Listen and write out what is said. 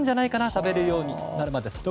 食べるようになるまでと。